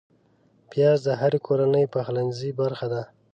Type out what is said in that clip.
پیاز د هرې کورنۍ پخلنځي برخه ده